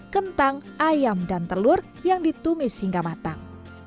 kentang ayam dan telur yang ditumis hingga matang